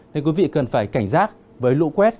nên quý vị cần phải cảnh giác với lũ quét